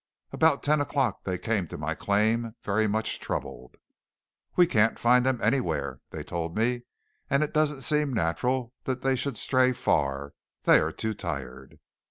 About ten o'clock they came to my claim very much troubled. "We can't find them anywhere," they told me, "and it doesn't seem natural that they should stray far; they are too tired."